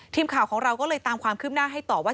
ทีมข่าวของเราก็เลยตามความคืบหน้าให้ต่อว่า